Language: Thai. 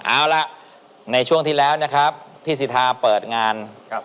เอาล่ะในช่วงที่แล้วนะครับพี่สิทธาเปิดงานครับ